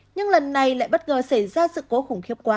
nhưng lần này lại bất ngờ xảy ra sự cố khủng khiếp quá